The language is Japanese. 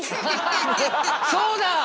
そうだ！